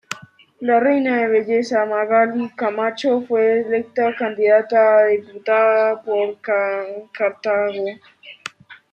La reina de belleza Magaly Camacho fue electa candidata a diputada por Cartago.